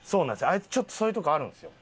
あいつちょっとそういうとこあるんですよ。